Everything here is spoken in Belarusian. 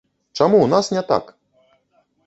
Чаму ў нас не так?